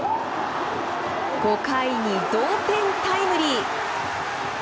５回に同点タイムリー！